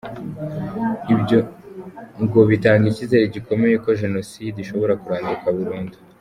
Ibyo ngo bitanga icyizere gikomeye ko Jenoside ishobora kuranduka burundu.